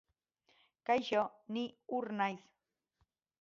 Kaixo ni Hur naiz